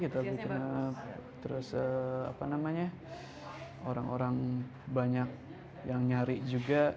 terus apa namanya orang orang banyak yang nyari juga